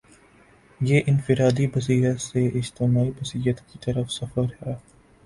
یہ انفرادی بصیرت سے اجتماعی بصیرت کی طرف سفر ہے۔